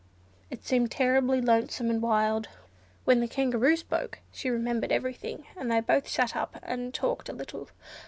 It seemed terribly lonesome and wild. When the Kangaroo spoke she remembered every thing, and they both sat up and talked a little.